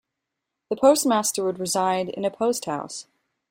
The postmaster would reside in a "post house".